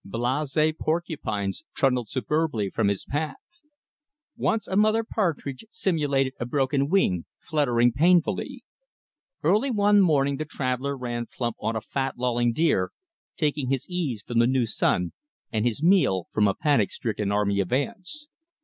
Blase porcupines trundled superbly from his path. Once a mother partridge simulated a broken wing, fluttering painfully. Early one morning the traveller ran plump on a fat lolling bear, taking his ease from the new sun, and his meal from a panic stricken army of ants.